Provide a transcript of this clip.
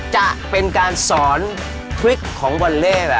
จะเป็นการสอนคริกของวอลเล่